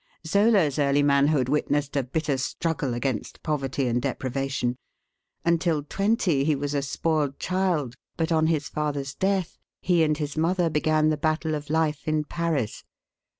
Zola's early manhood witnessed a bitter struggle against poverty and deprivation. Until twenty he was a spoiled child; but, on his father's death, he and his mother began the battle of life in Paris.